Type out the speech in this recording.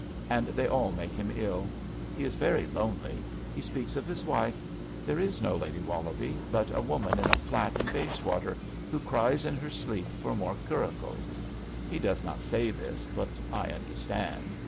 And they all make him ill. He is very lonely. He speaks of his wife. There is no Lady WoUobie, but a woman in a flat in Bayswater who cries in her sleep for more curricles. He does not say this, but I understand.